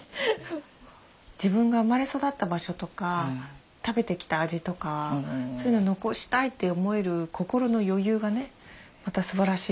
自分が生まれ育った場所とか食べてきた味とかそういうの残したいって思える心の余裕がねまたすばらしいですよね。